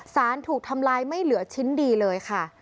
สารถูกทำลายไม่เหลือชิ้นดีเลยค่ะ